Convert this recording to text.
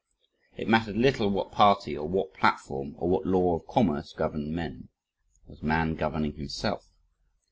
It mattered little what party, or what platform, or what law of commerce governed men. Was man governing himself?